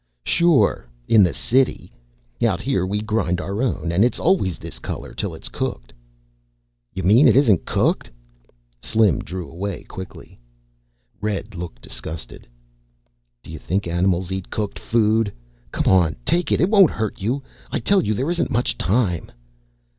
"Sure in the city. Out here we grind our own and it's always this color till it's cooked." "You mean it isn't cooked?" Slim drew away quickly. Red looked disgusted. "Do you think animals eat cooked food. Come on, take it. It won't hurt you. I tell you there isn't much time."